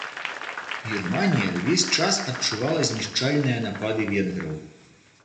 Германія ўвесь час адчувала знішчальныя напады венграў.